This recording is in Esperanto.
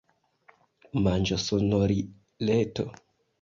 Manĝosonorileto.